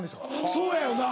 そうやよな。